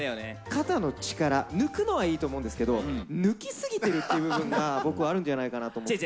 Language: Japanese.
肩の力抜くのはいいと思うんですけれども、抜き過ぎてるという部分が、僕はあるんじゃないかなと思って。